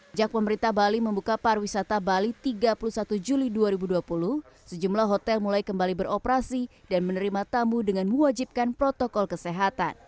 sejak pemerintah bali membuka pariwisata bali tiga puluh satu juli dua ribu dua puluh sejumlah hotel mulai kembali beroperasi dan menerima tamu dengan mewajibkan protokol kesehatan